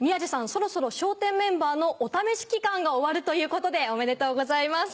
そろそろ笑点メンバーのお試し期間が終わるということでおめでとうございます。